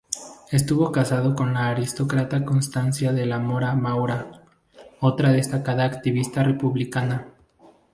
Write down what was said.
Estuvo casado con la aristócrata Constancia de la Mora Maura, otra destacada activista republicana.